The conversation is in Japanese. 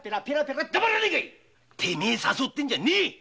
てめえを誘ってんじゃねえ！